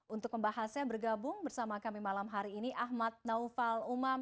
untuk pembahasnya bergabung bersama kami malam hari ini ahmad naufal umam